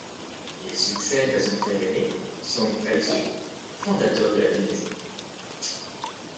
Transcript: Il succède à son frère aîné, Song Taizu, fondateur de la dynastie.